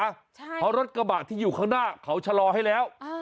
เพราะรถกระบะที่อยู่ข้างหน้าเขาชะลอให้แล้ว